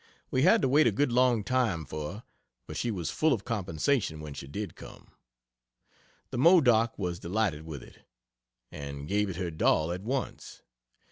We had to wait a good long time for her, but she was full compensation when she did come. The Modoc was delighted with it, and gave it her doll at once.